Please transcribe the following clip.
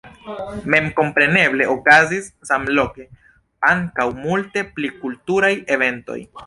Memkompreneble okazis samloke ankaŭ multe pli kulturaj eventoj.